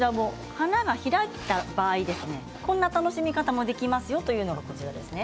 花が開いた場合こんな楽しみ方もできますよというのがこちらですね。